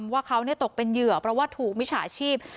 ว่าเขาตกเป็นเหยื่อเพราะว่าถูกมิจฉาชีพ